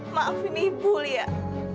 maafin ibu liah